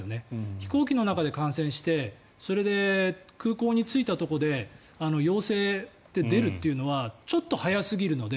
飛行機の中で感染してそれで空港に着いたところで陽性って出るっていうのはちょっと早すぎるので。